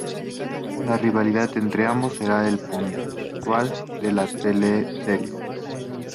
La rivalidad entre ambos será el puntal de la teleserie.